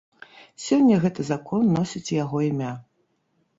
Сёння гэты закон носіць яго імя.